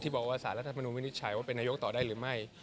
บอกว่าสารรัฐมนุนวินิจฉัยว่าเป็นนายกต่อได้หรือไม่